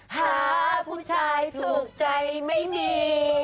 หาผู้ชายถูกใจไม่มี